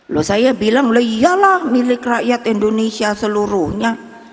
loh saya bilang loh iyalah milik rakyat indonesia seluruhnya